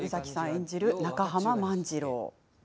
演じる中濱万次郎。